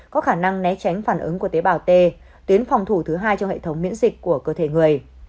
có khả năng né tránh phản ứng của tế bào t tuyến phòng thủ thứ hai trong hệ thống miễn dịch của cơ thể người